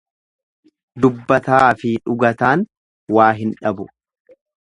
Dubbataafi dhugataan waa hin dhabu.